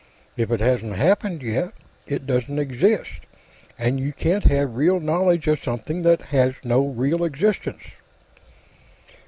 If it hasn't happened yet, it doesn't exist, and you can't have real knowledge of something that has no real existence."